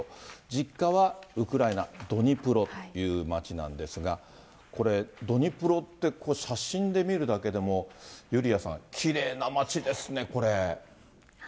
実家はウクライナ・ドニプロという街なんですが、これ、ドニプロって、写真で見るだけでも、ユリアさん、きれいな街ですね、これ。